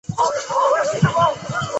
土牛膝为苋科牛膝属的植物。